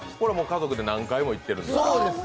家族で何回も行ってるんですか。